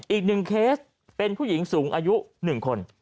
อีก๑เคสเป็นผู้หญิงสูงอายุ๑คน